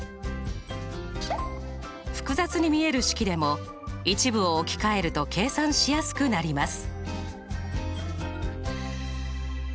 複雑に見える式でも一部を置き換えると計算しやすくなります。